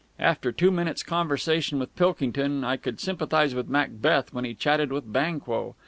After two minutes' conversation with Pilkington, I could sympathize with Macbeth when he chatted with Banquo.